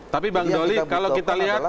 jadi yang kita butuhkan adalah